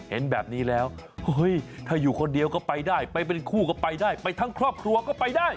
เห็นแบบนี้แล้วเฮ้ยถ้าอยู่คนเดียวก็ไปได้ไปเป็นคู่ก็ไปได้ไปทั้งครอบครัวก็ไปได้